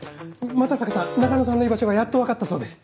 又坂さん中野さんの居場所がやっと分かったそうです。